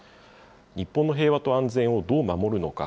日本の平和と安全をどう守るのか。